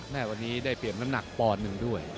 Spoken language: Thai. แม่วันนี้ได้เปรียบน้ำหนักปอนหนึ่งด้วย